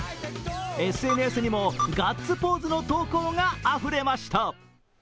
ＳＮＳにもガッツポーズの投稿があふれました。